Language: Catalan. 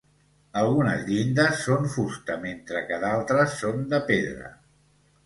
Algunes llindes són fusta mentre que d'altres són de pedra.